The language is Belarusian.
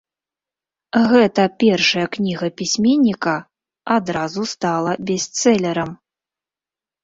Гэта першая кніга пісьменніка адразу стала бестселерам.